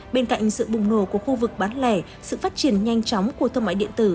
bên cạnh sự bùng nổ của khu vực bán lẻ sự phát triển nhanh chóng của thương mại điện tử